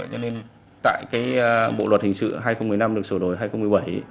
cho nên tại cái bộ luật hình sự hai nghìn một mươi năm được sửa đổi hai nghìn một mươi bảy